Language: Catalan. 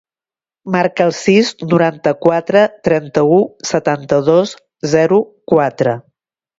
Marca el sis, noranta-quatre, trenta-u, setanta-dos, zero, quatre.